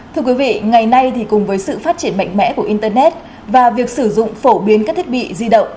thưa quý vị ngày nay cùng với sự phát triển mạnh mẽ của internet và việc sử dụng phổ biến các thiết bị di động